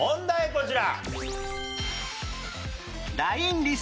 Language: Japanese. こちら。